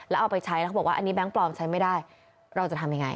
แล้วเอาไปใช้แล้วเขาบอกว่าอันนี้แก๊งปลอมใช้ไม่ได้เราจะทำยังไง